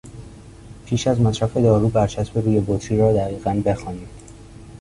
پیش از مصرف دارو برچسب روی بطری را دقیقا بخوانید.